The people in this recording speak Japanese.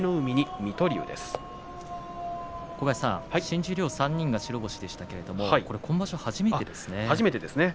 新十両３人白星でしたけども今場所、初めてですね。